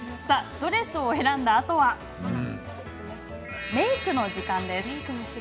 さあドレスを選んだあとはメークの時間。